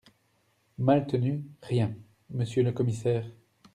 Maltenu Rien, Monsieur le commissaire…